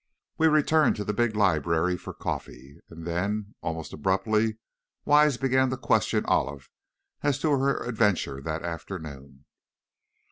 We returned to the big library for coffee, and then, almost abruptly, Wise began to question Olive as to her adventure that afternoon.